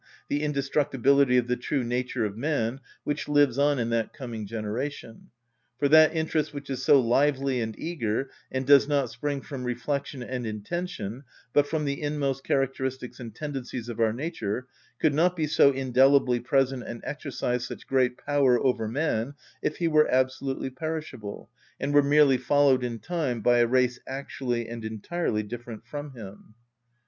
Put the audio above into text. The indestructibility of the true nature of man, which lives on in that coming generation. For that interest which is so lively and eager, and does not spring from reflection and intention, but from the inmost characteristics and tendencies of our nature, could not be so indelibly present and exercise such great power over man if he were absolutely perishable, and were merely followed in time by a race actually and entirely different from him.